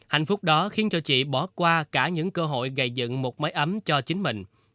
hạnh phúc đó khiến cho chị bỏ qua cả những cơ hội gây dựng một máy ấm cho chính mình